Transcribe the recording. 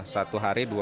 satu hari dua